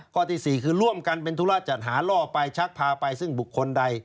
ที่๔คือร่วมกันเป็นธุระจัดหาล่อไปชักพาไปซึ่งบุคคลใด